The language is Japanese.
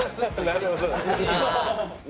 なるほど。